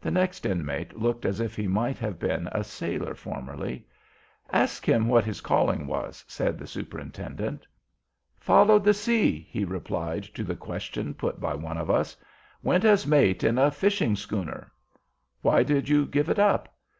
The next Inmate looked as if he might have been a sailor formerly. "Ask him what his calling was," said the Superintendent. "Followed the sea," he replied to the question put by one of us. "Went as mate in a fishing schooner." "Why did you give it up?"